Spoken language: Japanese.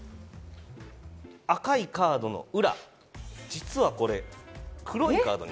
赤いカードの裏、実はこれ黒いカード。